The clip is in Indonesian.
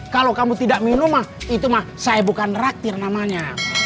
kalau kamu tidak minum mah itu mah saya bukan raktir namanya